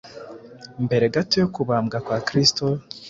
Mbere gato yo kubambwa kwa Kristo,